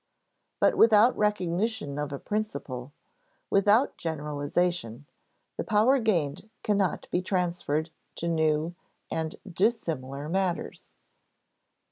But without recognition of a principle, without generalization, the power gained cannot be transferred to new and dissimilar matters.